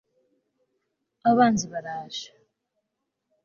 abanzi baraje